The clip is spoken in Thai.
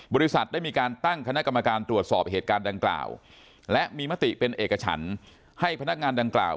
บริษัทได้มีการตั้งคณะกรรมการตรวจสอบเหตุการณ์ดังกล่าวและมีมติเป็นเอกฉันให้พนักงานดังกล่าว